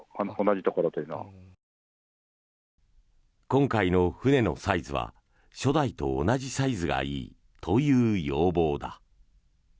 今回の船のサイズは初代と同じサイズがいいという要望だ。